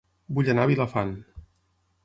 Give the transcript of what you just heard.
Vull anar a Vilafant